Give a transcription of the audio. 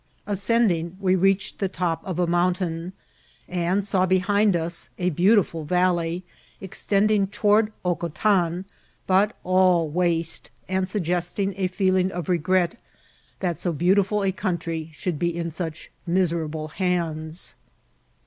Ascending, we reached the top of a mountain, and saw behind us a beantifrd valley extending toward Hocotan, but all waste, and suggesting a feeling of regret that so beauti ful a country should be in such miserable hands.